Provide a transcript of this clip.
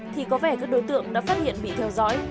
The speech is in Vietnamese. thì có vẻ các đối tượng đã phát hiện bị theo dõi